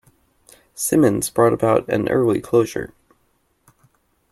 Simmons brought about an early closure..